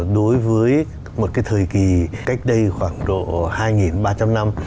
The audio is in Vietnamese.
đối với một cái thời kỳ cách đây khoảng độ hai ba trăm linh năm